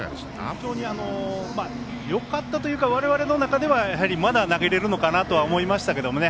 非常によかったというか我々の中ではまだ投げられるのかなと思いましたけどもね